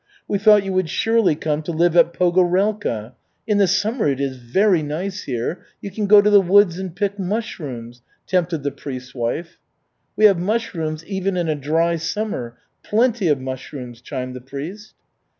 We thought you would surely come to live at Pogorelka. In the summer it is very nice here. You can go to the woods and pick mushrooms," tempted the priest's wife. "We have mushrooms even in a dry summer, plenty of mushrooms," chimed the priest.